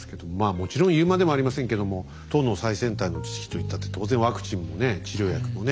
もちろん言うまでもありませんけども唐の最先端の知識と言ったって当然ワクチンもね治療薬もね